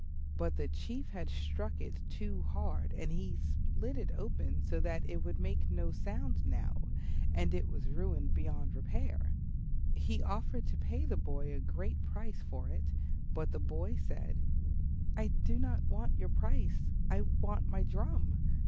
But the Chief had struck it too hard and had split it open so that it would now make no sound and it was ruined beyond repair. He offered to pay the boy a great price for it, but the boy said, "I do not want your price. I want my drum.